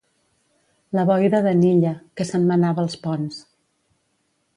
La boira de n'Illa, que se'n menava els ponts.